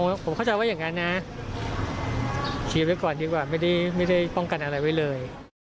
ผมเข้าใจว่าอย่างนั้นนะชี้ไว้ก่อนดีกว่าไม่ได้ป้องกันอะไรไว้เลย